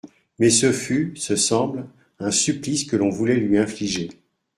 Mais ce fut, ce semble, un supplice que l'on voulait lui infliger.